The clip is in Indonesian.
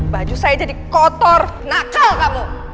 baju saya jadi kotor nakal kamu